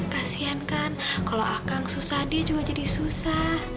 kasian kan kalau akang susah dia juga jadi susah